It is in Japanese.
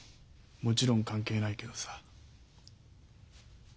もちろん関係ないけどさ。